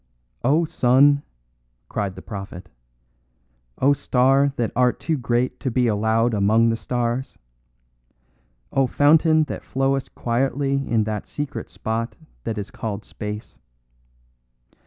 "O sun," cried the prophet, "O star that art too great to be allowed among the stars! O fountain that flowest quietly in that secret spot that is called space.